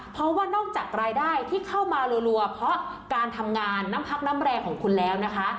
เพราะว่านอกจากรายได้ที่เข้ามารัวเพราะการทำงานน้ำพักน้ำแรงของคุณแล้วนะคะ